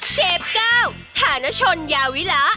เชฟก้าวฐานชนยาวีระ